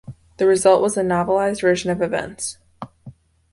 The result was a novelized version of events.